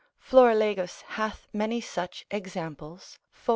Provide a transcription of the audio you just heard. Florilegus hath many such examples, fol.